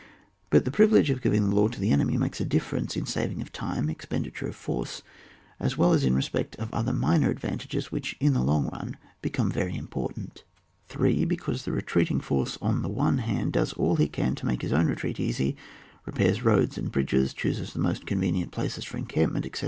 But this privilege of giving the law to the enemy makes a difference in savinp; of time, expenditure offeree, as well as in respect of other minor advantages which, in the long run, becomes very important. CHAP. XXV.] RETREAT INTO THE INTERIOR OF TJgE CO UNTR Y. 1 69 3, becaxise the retreating force on the one hand does all he can to make his own retreat easy, repairs roads, and bridges, chooses the most convenient places for encampment, etc.